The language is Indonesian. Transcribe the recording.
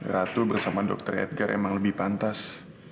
ratu bersama dr edgar emang lebih pantas